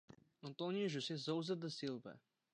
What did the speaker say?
Antônio José Souza da Silva